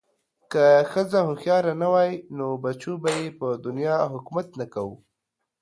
که ښځه هوښیاره نه وی نو بچو به ېې په دنیا حکومت نه کوه